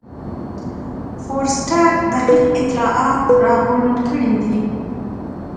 فورسټر دقیق اطلاعات راغونډ کړي دي.